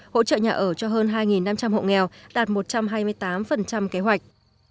hỗ trợ nhà ở cho hơn hai năm trăm linh hộ nghèo đạt một trăm hai mươi tám kế hoạch